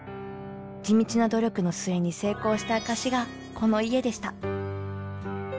地道な努力の末に成功した証しがこの家でした。